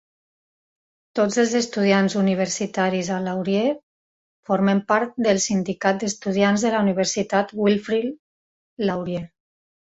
Tots els estudiants universitaris a Laurier formen part del Sindicat d'Estudiants de la Universitat Wilfrid Laurier.